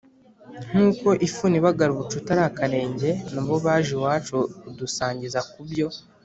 nk’uko « ifuni ibagara ubucuti ari akarenge », nabo baje iwacu kudusangiza ku byo